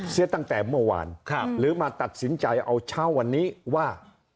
เสียตั้งแต่เมื่อวานหรือมาตัดสินใจเอาเช้าวันนี้ว่า